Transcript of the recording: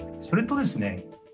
それとですね